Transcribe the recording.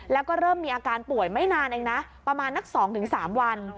แล้วก็เริ่มมีอาการป่วยไม่นานเองนะประมาณนัก๒๓วัน